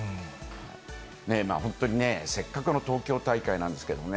本当にね、せっかくの東京大会なんですけどもね。